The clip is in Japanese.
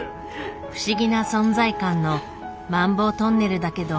不思議な存在感のマンボウトンネルだけど。